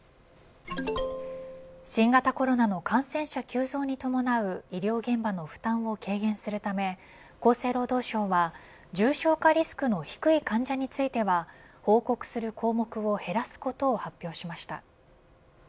新型コロナの感染者急増に伴う医療現場の負担を軽減するため厚生労働省は、重症化リスクの低い患者については報告する項目を減らすことを発表しました。